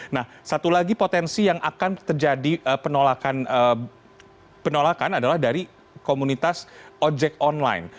nah satu lagi potensi yang akan terjadi penolakan adalah dari komunitas ojek online